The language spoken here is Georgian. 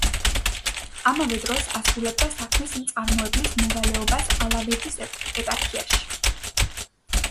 ამავე დროს ასრულებდა საქმის მწარმოებლის მოვალეობას ალავერდის ეპარქიაში.